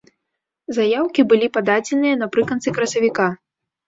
Заяўкі былі пададзеныя напрыканцы красавіка.